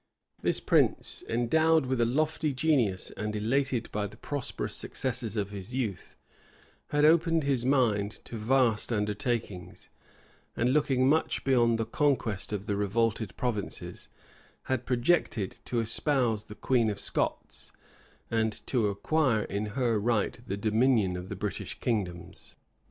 This prince, endowed with a lofty genius, and elated by the prosperous successes of his youth, had opened his mind to vast undertakings; and looking much beyond the conquest of the revolted provinces, had projected to espouse the queen of Scots, and to acquire in her right the dominion of the British kingdoms.